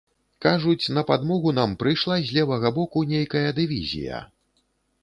Кажуць, на падмогу нам падышла з левага боку нейкая дывізія.